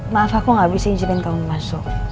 maaf aku gak bisa izinin kamu masuk